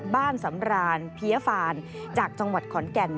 บ้านสำรานเพี้ยฟานจากจังหวัดขอนแก่น